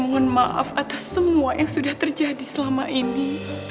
mohon maaf atas semua yang sudah terjadi selama ini